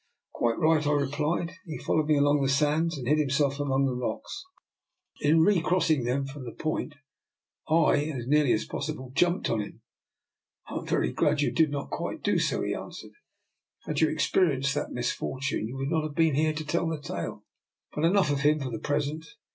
"" Quite right," I replied. " He followed me along the sands, and hid himself among the rocks. In recrossing them from the point, I, as nearly as possible, jumped on him." " I am very glad you did not quite do so," he answered. *' Had you experienced that misfortune, you would not have been here to tell the tale. But enough of him for the pres ent.